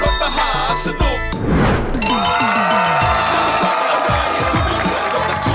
นั่นมันรถอะไรดูไม่เหมือนรถประทุกข์